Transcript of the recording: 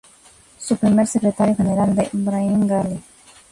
Su primer secretario general fue Brahim Gali.